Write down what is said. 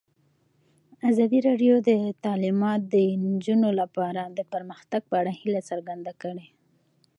ازادي راډیو د تعلیمات د نجونو لپاره د پرمختګ په اړه هیله څرګنده کړې.